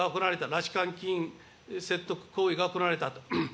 拉致監禁、説得行為が行われたと。